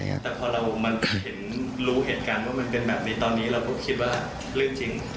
แต่พอเรามาเห็นรู้เหตุการณ์ว่ามันเป็นแบบนี้ตอนนี้เราก็คิดว่าเรื่องจริง